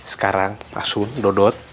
sekarang pak sun dodot